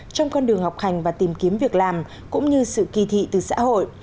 trong con đường học hành và tìm kiếm việc làm cũng như sự kỳ thị từ xã hội